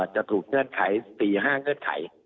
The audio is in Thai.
จะถูกเงื่อนไข๔๕เงื่อนไข